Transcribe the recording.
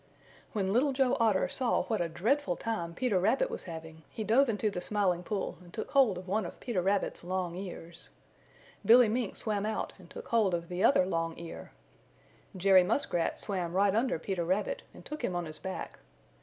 When Little Joe Otter saw what a dreadful time Peter Rabbit was having he dove into the Smiling Pool and took hold of one of Peter Rabbit's long ears. Billy Mink swam out and took hold of the other long ear. Jerry Muskrat swam right under Peter Rabbit and took him on his back.